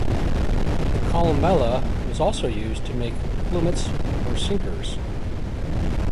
The columella was also used to make plummets or sinkers.